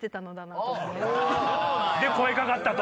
で声かかったと。